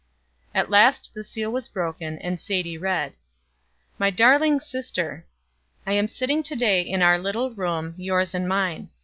At last the seal was broken, and Sadie read: "My Darling Sister: "I am sitting to day in our little room yours and mine.